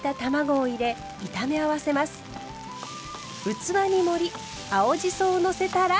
器に盛り青じそをのせたら完成。